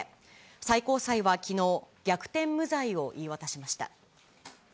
最高裁はきのう、逆転無罪を言い渡しました。